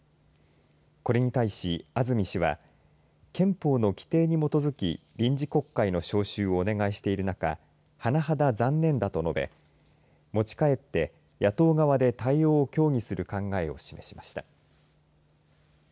これに対し安住氏は憲法の規定に基づき臨時国会の召集をお願いしている中甚だ残念だと述べ持ち帰って、野党側で対応を協議する考えを示しました。